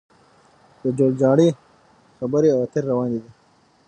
د جوړجاړي خبرې او اترې روانې دي